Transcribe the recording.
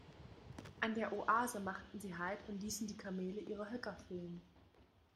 An der Oase machten sie Halt und ließen die Kamele ihre Höcker füllen.